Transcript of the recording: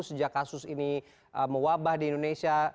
sejak kasus ini mewabah di indonesia